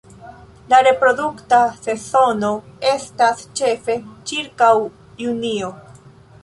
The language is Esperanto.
La reprodukta sezono estas ĉefe ĉirkaŭ junio.